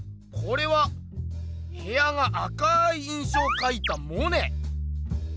これは部屋が赤い印象をかいたモネ！